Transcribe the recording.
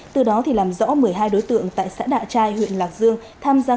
từ đó làm rõ một mươi hai đối tượng tại xã đạ trai huyện lạc dương tham gia